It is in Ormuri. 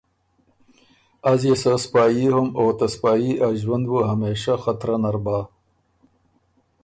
از يې سۀ سپايي هوم او ته سپايي ا ݫوُند بُو همېشۀ خطرۀ نر بَۀ۔